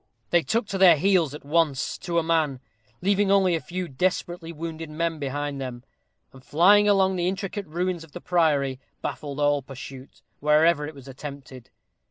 They took to their heels at once, to a man, leaving only a few desperately wounded behind them; and, flying along the intricate ruins of the priory, baffled all pursuit, wherever it was attempted.